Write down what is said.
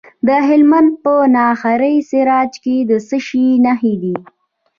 د هلمند په ناهري سراج کې د څه شي نښې دي؟